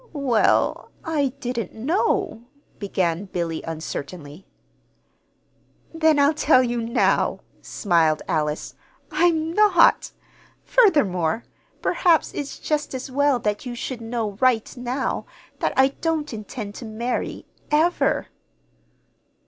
"Well, I didn't know," began Billy, uncertainly. "Then I'll tell you now," smiled Alice. "I'm not. Furthermore, perhaps it's just as well that you should know right now that I don't intend to marry ever."